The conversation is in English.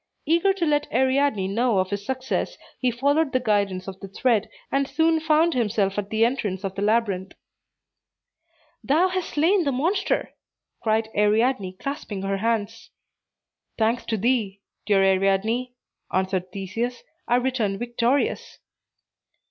Eager to let Ariadne know of his success, he followed the guidance of the thread, and soon found himself at the entrance of the labyrinth. "Thou hast slain the monster," cried Ariadne, clasping her hands. "Thanks to thee, dear Ariadne," answered Theseus, "I return victorious."